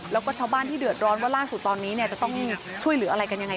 แล้วก็ชาวบ้านที่เดือดร้อนว่าล่าสุดตอนนี้เนี่ยจะต้องช่วยเหลืออะไรกันยังไง